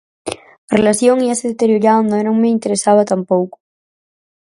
A relación íase deteriorando e non me interesaba tampouco.